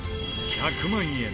１００万円